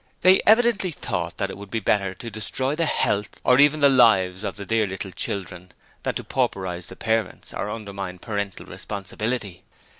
They evidently thought that it would be better to destroy the health or even the lives of the 'dear little children' than to pauperize the parents or undermine parental responsibility.